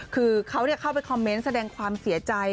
คือเขาเข้าไปคอมเมนต์แสดงความเสียใจ